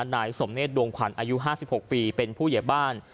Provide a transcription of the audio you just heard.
นายสมเนศดวงขวัญอายุ๕๖ปีเป็นผู้ใหญ่บ้าน